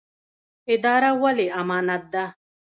اداره ولې امانت ده؟